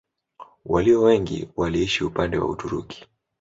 Walio wengi waliishi upande wa Uturuki.